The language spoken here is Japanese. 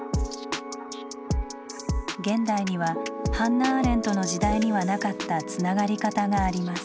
現代にはハンナ・アーレントの時代にはなかったつながり方があります。